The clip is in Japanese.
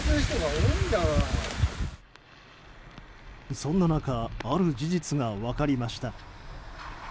そんな中ある事実が分かりました。